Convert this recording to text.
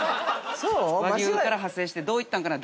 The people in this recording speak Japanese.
和牛から派生してどう行ったんかな？